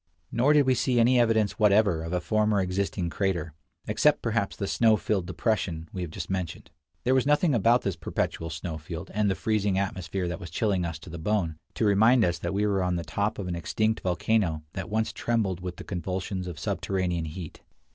Nor did we see any evidence whatever of a former existing crater, except perhaps the snow filled depression we have just mentioned. There was nothing about this perpetual snow field, and the freezing atmosphere that was chilling us to the bone, to remind us that we were on the top of an extinct volcano that once trembled with the convulsions of subterranean heat.